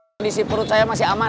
kondisi perut saya masih aman